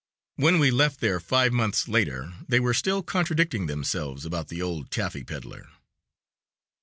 When we left there, five months later, they were still contradicting themselves about the old taffy peddler.